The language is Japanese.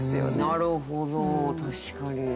なるほど確かに。